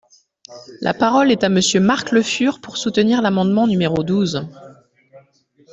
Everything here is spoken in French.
La parole est à Monsieur Marc Le Fur, pour soutenir l’amendement numéro douze.